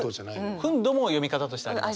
「ふんど」も読み方としてあります。